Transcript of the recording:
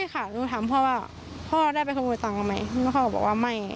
ใช่ค่ะหนูถามพ่อว่าพ่อได้ไปขโมยตังค์ไหมแล้วพ่อก็บอกว่าไม่